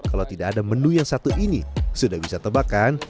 kalau tidak ada menu yang satu ini sudah bisa tebak kan